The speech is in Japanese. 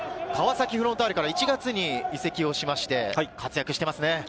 川崎フロンターレから１月に移籍をしまして活躍していますね。